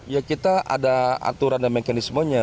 ya kita ada aturan dan mekanismenya